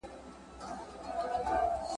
زه به سیر کړی وي!؟